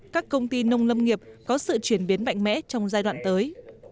các công ty nông lâm nghiệp có sự chuyển biến mạnh mẽ trong giai đoạn tới